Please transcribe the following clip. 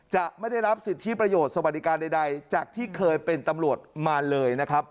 จะไม่ได้รับสิทธิประโยชน์สวัสดิการใดจากที่เคยเป็นตำรวจมาเลยนะครับ